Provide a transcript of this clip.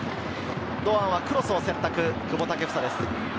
堂安はクロスを選択、久保です。